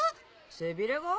背びれが？